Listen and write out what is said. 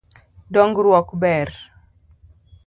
Dongruok ber.